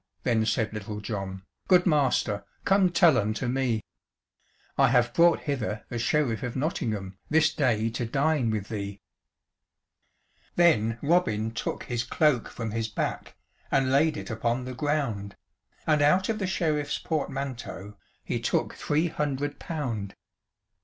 then said Little John, "Good master, come tell unto me"; "I have brought hither the Sheriff of Nottingham This day to dine with thee," Then Robin took his cloak from his back And laid it upon the ground; And out of the Sheriff's portmanteau He took three hundred pound.